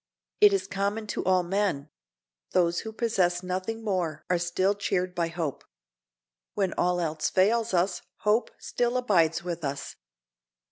It is common to all men; those who possess nothing more are still cheered by hope. When all else fails us hope still abides with us.